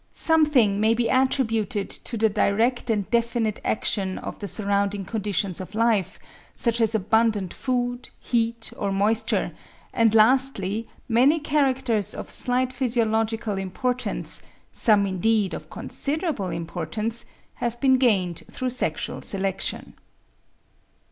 Something may be attributed to the direct and definite action of the surrounding conditions of life, such as abundant food, heat or moisture; and lastly, many characters of slight physiological importance, some indeed of considerable importance, have been gained through sexual selection.